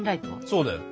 そうだよ。